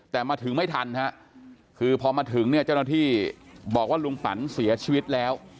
แต่มาถึงไม่ทันฮะคือพอมาถึงเนี่ยเจ้าหน้าที่บอกว่าลุงปันเสียชีวิตแล้ว